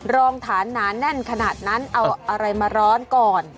รองฐานหนาแน่นขนาดนั้นเอาอะไรมาร้อนก่อน